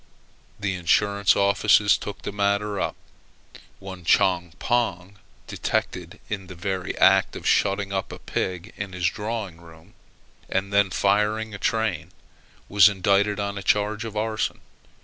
The insurance offices took the matter up. One Chong Pong, detected in the very act of shutting up a pig in his drawing room, and then firing a train, was indicted on a charge of arson.